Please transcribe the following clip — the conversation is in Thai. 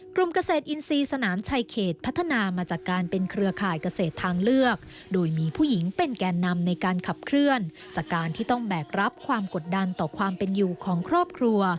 กลุ่มเกษตรอินทรีย์สนามชายเขตพัฒนามาจากการเป็นเครือข่ายเกษตรทางเลือกโดยมีผู้หญิงเป็นแก่นำในการขับเคลื่อนจากการที่ต้องแบกรับความกดดันต่อความเป็นอยู่ของครอบครัว